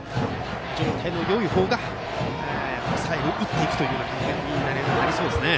状態のよい方が打っていくということになりそうですね。